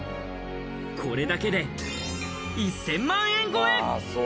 これだけで１０００万円超え！